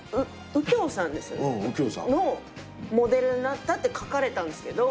右京さん。のモデルになったって書かれたんですけど。